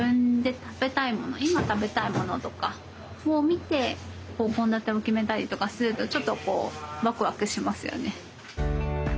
今食べたいものとかを見て献立を決めたりとかするとちょっとこうワクワクしますよね。